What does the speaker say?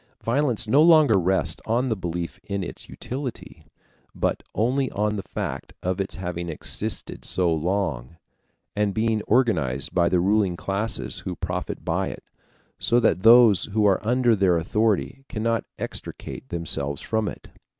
Violence no longer rests on the belief in its utility, but only on the fact of its having existed so long, and being organized by the ruling classes who profit by it, so that those who are under their authority cannot extricate themselves from it.